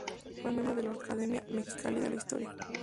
Fue miembro de la Academia Mexicana de la Historia.